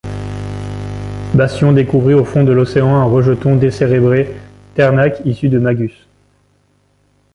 Bastion découvrit au fond de l'océan un rejeton décérébré Technarch issu de Magus.